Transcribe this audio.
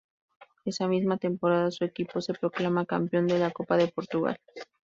Esa misma temporada su equipo se proclama campeón de la Copa de Portugal.